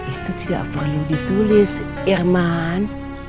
itu tidak perlu ditulis irman